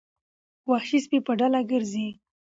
وحشي سپي په ډله ګرځي.